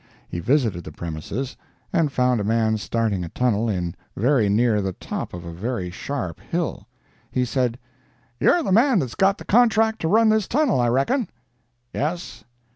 He visited the premises, and found a man starting a tunnel in very near the top of a very sharp hill. He said: "You're the man that's got the contract to run this tunnel, I reckon?" "Yes."